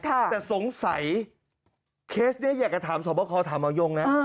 แต่สงสัยเคสนี้อยากจะถามสวบคอถามหมอยงนะ